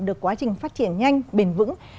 được quá trình phát triển nhanh bền vững